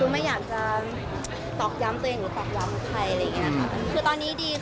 ไม่อยากจะพาดพิมพ์ใครอะไรตอนนี้ดีกว่า